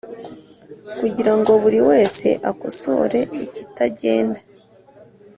kugira ngo buri wese akosore ikitagenda.